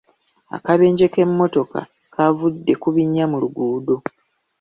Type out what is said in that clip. Akabenje k'emmotoka k'avudde ku binnya mu luguudo.